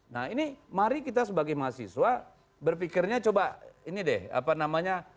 nah ini mari kita sebagai mahasiswa berpikirnya coba ini deh apa namanya